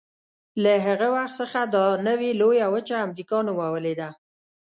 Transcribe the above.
له هغه وخت څخه دا نوې لویه وچه امریکا نومولې ده.